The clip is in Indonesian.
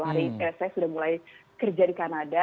hari saya sudah mulai kerja di kanada